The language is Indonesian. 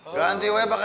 aduh pake hilet bang